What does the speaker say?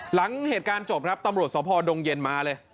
หลังเหตุการณ์จบครับตำรวจสพดงเย็นมาเลย